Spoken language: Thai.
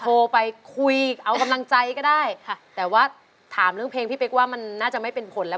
โทรไปคุยเอากำลังใจก็ได้ค่ะแต่ว่าถามเรื่องเพลงพี่เป๊กว่ามันน่าจะไม่เป็นผลแล้ว